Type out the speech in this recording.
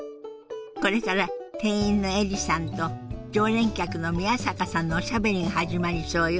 これから店員のエリさんと常連客の宮坂さんのおしゃべりが始まりそうよ。